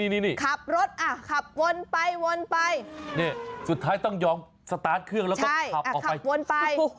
นี่ขับรถขับวนไปสุดท้ายต้องย้อมสตาร์ทเครืองแล้วก็ขับไว้